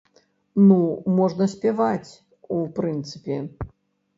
Ну, можна спяваць, у прынцыпе.